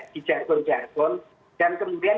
di jargon jargon dan kemudian